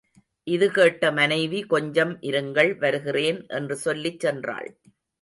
இது கேட்ட மனைவி, கொஞ்சம் இருங்கள் வருகிறேன் என்று சொல்லிச் சென்றாள்.